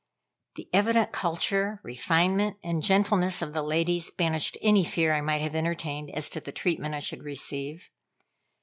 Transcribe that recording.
The evident culture, refinement, and gentleness of the ladies, banished any fear I might have entertained as to the treatment I should receive.